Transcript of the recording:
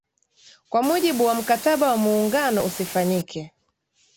kwa mujibu wa Mkataba wa Muungano usifanyike